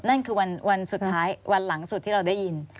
นั่นคือวันหลังสุดที่เราได้ยิน